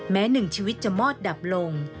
หนึ่งชีวิตจะมอดดับลง